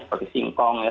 seperti singkong ya